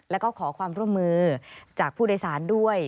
แล้วก็ขอความร่วมมือจากผู้โดยสารด้วย